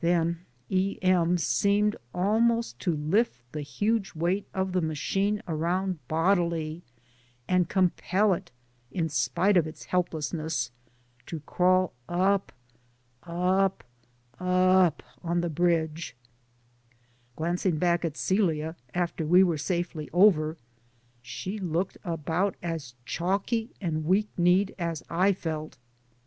Then E. M. seemed almost to lift the huge weight of the machine atound bodily and compel it in spite of its help lessness to crawl up, up, up on the bridge, 69 Digitized by LjOOQ IC BY MOTOR TO THE GOLDEN GATE Glancing back at Celia, after we were safely over^ she looked about as chalky and weak kneed as I felt.